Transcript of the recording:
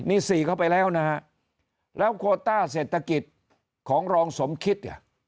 นี่สี่เข้าไปแล้วนะฮะแล้วโคต้าเศรษฐกิจของรองสมคิดเนี่ย